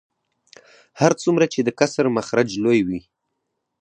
هر څومره چې د کسر مخرج لوی وي